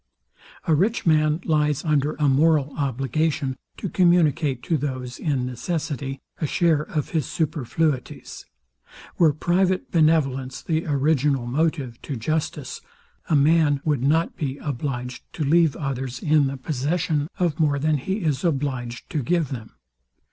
A rich man lies under a moral obligation to communicate to those in necessity a share of his superfluities. Were private benevolence the original motive to justice, a man would not be obliged to leave others in the possession of more than he is obliged to give them.